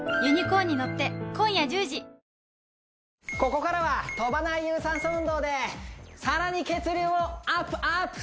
ここからは跳ばない有酸素運動でさらに血流をアップアップ！